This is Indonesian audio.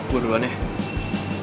gue duluan ya